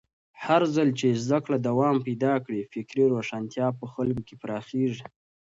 هرځل چې زده کړه دوام پیدا کړي، فکري روښانتیا په خلکو کې پراخېږي.